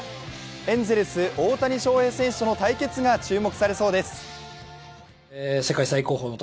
エンゼルス・大谷翔平選手との対決が注目されそうです。